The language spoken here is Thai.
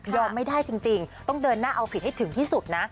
ไม่ได้จริงต้องเดินหน้าเอาผิดให้ถึงที่สุดนะ